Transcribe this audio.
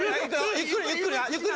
ゆっくりなゆっくりな。